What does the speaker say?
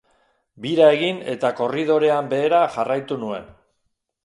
Bira egin, eta korridorean behera jarraitu nuen.